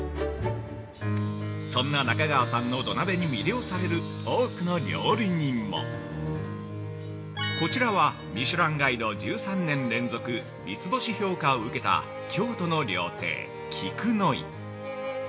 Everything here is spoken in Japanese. そんな中川さんの土鍋に魅了される多くの料理人もこちらは、ミシュランガイド１３年連続三つ星評価を受けた京都の料亭・菊乃井。